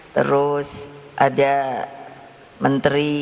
terus ada bu bintang buspayoga itu menteri perempuan dan anak